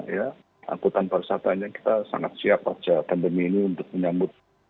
ya angkutan pariwisatanya kita sangat siap pasca pandemi ini untuk menyambut